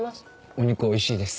お肉おいしいです。